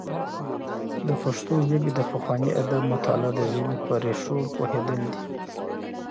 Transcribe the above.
د پښتو ژبې د پخواني ادب مطالعه د ژبې په ريښو پوهېدل دي.